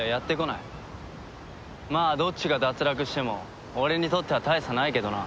まあどっちが脱落しても俺にとっては大差ないけどな。